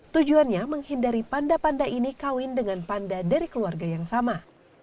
tujuannya menghindari panda panda ini kawin dengan panda dari keluarga yang sama